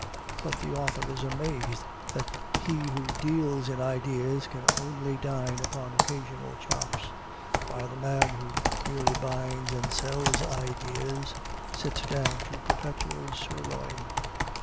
But the author is amazed that he who deals in ideas can only dine upon occasional chops, while the man who merely binds and sells ideas sits down to perpetual sirloin.